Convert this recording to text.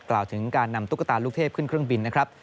กล่าวถึงการนำตุ๊กตาลูกเทพขึ้นเครื่องบินนะครับ